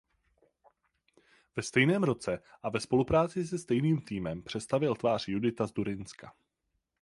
Ve stejném roce a ve spolupráci se stejným týmem přestavěl tvář Judita z Durynska.